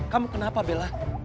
kamu kenapa bella